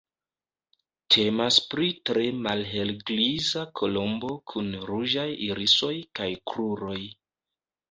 Temas pri tre malhelgriza kolombo kun ruĝaj irisoj kaj kruroj.